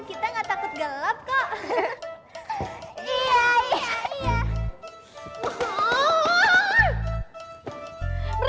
kita gak takut gelap kok